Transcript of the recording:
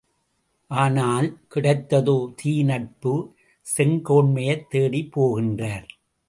ஆனால், கிடைத்ததோ தீ நட்பு செங்கோன்மையைத் தேடிப்போகின்றார்!